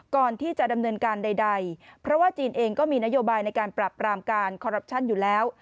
ก่อนที่จะดำเนินการใดเพราะว่าจีนเองก็มีนโยบายในการปรับปรามการคอรัปชั่นอยู่แล้ว